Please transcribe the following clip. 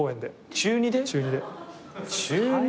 中２で？